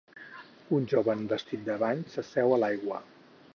Un jove en vestit de bany s'asseu a l'aigua